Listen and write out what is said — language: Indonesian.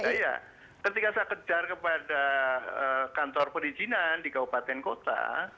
iya ketika saya kejar kepada kantor perizinan di kabupaten kota